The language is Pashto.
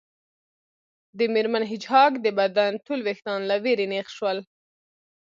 د میرمن هیج هاګ د بدن ټول ویښتان له ویرې نیغ شول